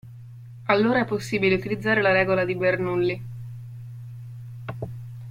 Allora è possibile utilizzare la regola di Bernoulli.